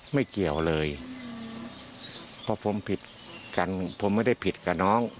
ไม่เกี่ยวเลยเพราะผมผิดกันผมไม่ได้ผิดกับน้อง